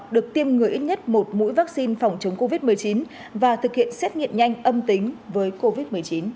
được tiêm người ít nhất một mũi vaccine phòng chống covid một mươi chín và thực hiện xét nghiệm nhanh âm tính với covid một mươi chín